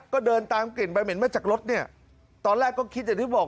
ก็เดินตามกลิ่นใบเหม็นมาจากรถเนี่ยตอนแรกก็คิดอย่างที่บอก